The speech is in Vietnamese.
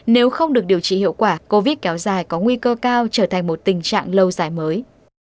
nếu không được điều trị hiệu quả covid kéo dài có nguy cơ cao trở thành một tình trạng lâu dài mới